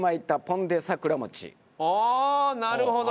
ああなるほど。